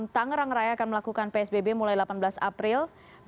tangerang raya akan melakukan psbb mulai delapan belas april dua ribu dua puluh